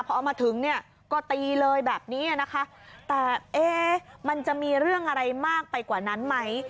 พอเอามาถึงเนี่ยก็ตีเลยแบบนี้นะคะแต่เอ๊ะมันจะมีเรื่องอะไรมากไปกว่านั้นไหม